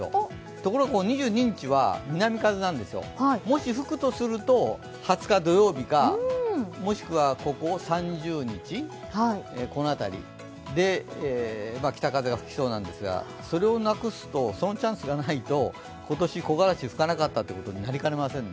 ところが２２日は、南風なんです、もし吹くとすると２０日土曜日か３０日、この辺りで北風が吹きそうなんですが、そのチャンスがないと、今年木枯らし、吹かなかったということになりかねませんね。